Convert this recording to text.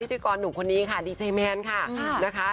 พิธีกรหนุ่มคนนี้ค่ะดีเจมันค่ะ